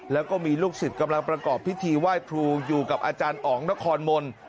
แล้วก็มีลูกศิษย์กำลังประกอบพิธีไหว้ครูอยู่กับอาจารย์อ๋องนครมนต์